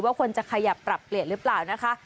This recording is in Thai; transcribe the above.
ว่าคนจะขยับตรับเปรียบหรือเปล่านะคะ